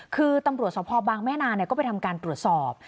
คือตำรวจสภบางแม่นาก็ไปทำการตรวจสอบ